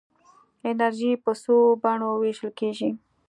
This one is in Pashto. انرژي په څو بڼو ویشل کېږي.